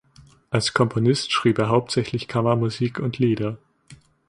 Als Komponist schrieb er hauptsächlich Kammermusik und Lieder.